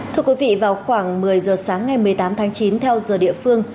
thưa quý vị vào khoảng một mươi giờ sáng ngày một mươi tám tháng chín theo giờ địa phương